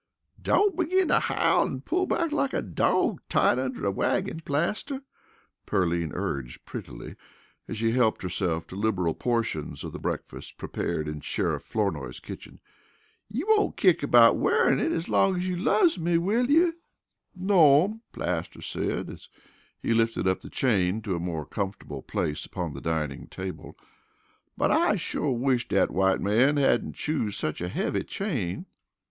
"Don't begin to howl an' pull back like a dawg tied under a wagin, Plaster," Pearline urged prettily, as she helped herself to liberal portions of the breakfast prepared in Sheriff Flournoy's kitchen. "You won't kick about wearin' it as long as you loves me, will you?" "No'm," Plaster said, as he lifted the chain to a more comfortable place upon the dining table. "But I shore wish dat white man hadn't choosed such a heavy chain."